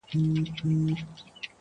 په بېغمه یې د تور دانې خوړلې -